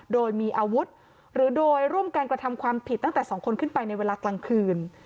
โดยมีอาวุธหรือโดยร่วมการกระทำความผิดตั้งแต่๒คนขึ้นไปในเวลากลางคืน